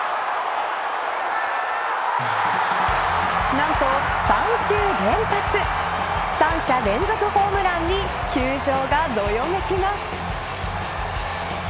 なんと、３球連発３者連続ホームランに球場がどよめきます。